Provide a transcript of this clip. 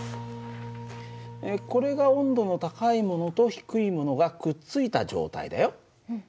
これが温度の高いものと低いものがくっついた状態だよ。